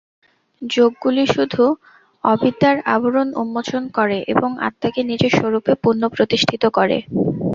যোগগুলি শুধু অবিদ্যার আবরণ উন্মোচন করে এবং আত্মাকে নিজের স্বরূপে পুনঃপ্রতিষ্ঠিত করে।